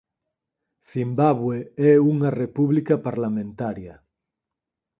Cimbabue é unha república parlamentaria.